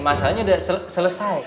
masalahnya udah selesai